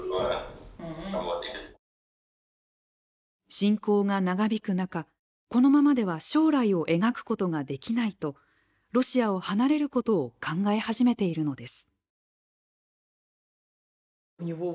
侵攻が長引く中このままでは将来を描くことができないとロシアを離れることを考え始めているのです。